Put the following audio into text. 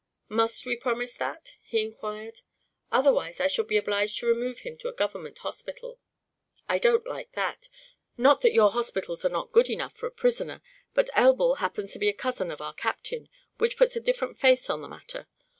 "Must we promise that?" he inquired. "Otherwise I shall be obliged to remove him to a government hospital." "I don't like that. Not that your hospitals are not good enough for a prisoner, but Elbl happens to be a cousin of our captain, which puts a different face on the matter.